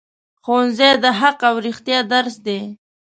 ښوونځی د حق او رښتیا درس دی